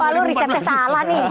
pak lu risetnya salah nih